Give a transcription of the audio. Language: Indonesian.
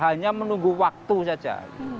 hanya menunggu waktu saja